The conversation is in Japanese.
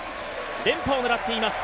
連覇を狙っています。